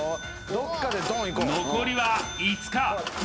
残りは５日